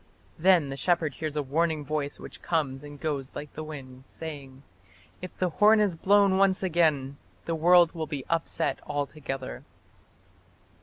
Then the shepherd hears a warning voice which comes and goes like the wind, saying: "If the horn is blown once again, the world will be upset altogether".